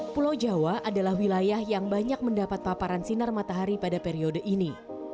pulau jawa adalah wilayah yang banyak mendapat paparan sinar matahari pada periode ini